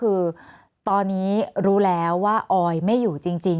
แอนตาซินเยลโรคกระเพาะอาหารท้องอืดจุกเสียดแสบร้อน